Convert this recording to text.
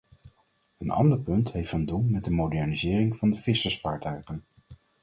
Een ander punt heeft van doen met de modernisering van de vissersvaartuigen.